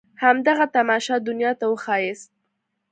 همدغه تماشه دنيا ته وښاياست.